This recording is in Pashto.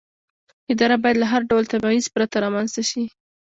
اداره باید له هر ډول تبعیض پرته رامنځته شي.